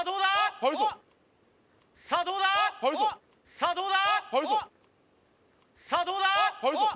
さあどうだ？